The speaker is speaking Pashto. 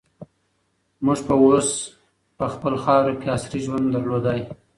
موږ به اوس په خپله خاوره کي عصري ژوند درلودای.